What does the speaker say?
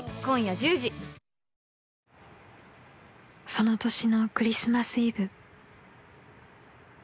［その年のクリスマスイブ］